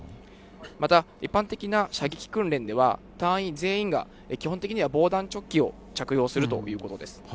また、一般的な射撃訓練では、隊員全員が基本的には防弾チョッキを着用するということです。